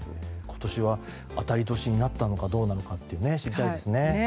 今年は当たり年になったかどうか知りたいですね。